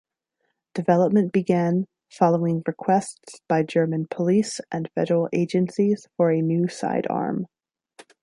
Development began following requests by German police and federal agencies for a new sidearm.